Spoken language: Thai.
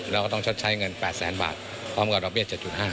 เราก็ต้องชดใช้เงิน๘แสนบาทพร้อมกับดอกเบี้๗๕